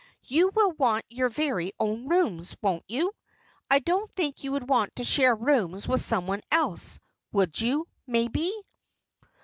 You will want your very own rooms, won't you? I don't think you would want to share rooms with someone else, would you, maybe?"